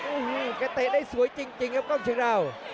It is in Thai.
โอ้โหแกเตะได้สวยจริงครับกล้องเชียงดาว